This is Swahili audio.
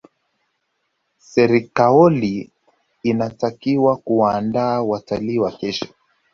serikaoli inatakiwa kuwaandaa watalii wa kesho